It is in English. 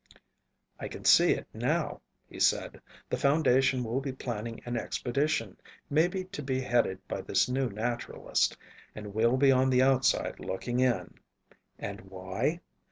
"I can see it now," he said. "The Foundation will be planning an expedition, maybe to be headed by this new naturalist, and we'll be on the outside looking in. And why?